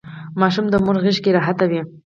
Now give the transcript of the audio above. ماشوم د مور غیږکې راحت وي.